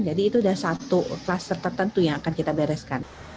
jadi itu sudah satu kluster tertentu yang akan kita bereskan